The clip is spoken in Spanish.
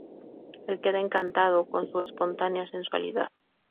Él queda encantado con su espontánea sensualidad.